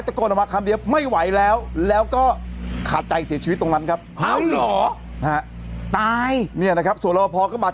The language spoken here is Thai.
ยังไงยังไงยังไงยังไงยังไงยังไงยังไงยังไงยังไง